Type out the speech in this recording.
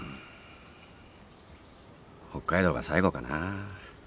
北海道が最後かなぁ。